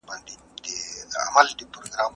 مېرمن یې سپکې سپورې اوري.